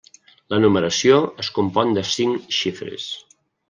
La numeració es compon de cinc xifres.